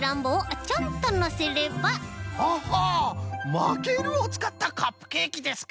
「まける」をつかったカップケーキですか。